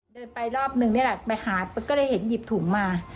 เดินไปรอบนึงนี่แหละไปหาก็เลยเห็นหยิบถุงมา